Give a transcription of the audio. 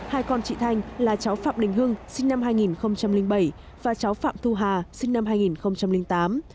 hai con chị thanh là cháu phạm đình hưng sinh năm hai nghìn bảy và cháu phạm thu hà sinh năm hai nghìn tám